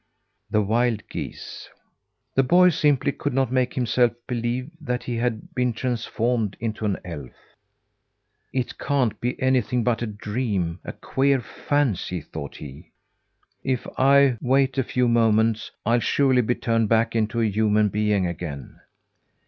THE WILD GEESE The boy simply could not make himself believe that he had been transformed into an elf. "It can't be anything but a dream a queer fancy," thought he. "If I wait a few moments, I'll surely be turned back into a human being again."